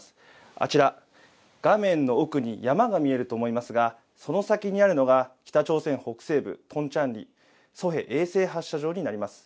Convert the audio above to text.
あちら、画面の奥に山が見えると思いますが、その先にあるのが、北朝鮮北西部トンチャンリ、ソヘ衛星発射場になります。